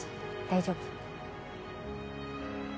大丈夫！